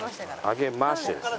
上げましてですね。